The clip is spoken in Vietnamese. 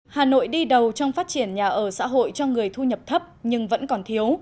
hà nội đi đầu trong phát triển nhà ở xã hội cho người thu nhập thấp nhưng vẫn còn thiếu